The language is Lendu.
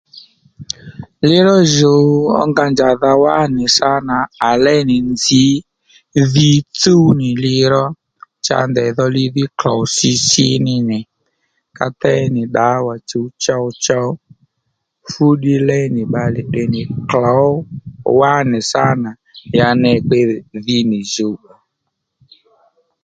Li ró jùw ó nga njàdha wá nì sâ nà à léy nì nzǐ dhi tsúw nì liró cha ndèydho li dhí klôw si sí ní nì ka déy nì ddawà chǔw chowchow fú ddiy léy nì bbalè tdè nì klǒw wá nì sâ nà ya ney ddiy nì dhi nì jǔw ò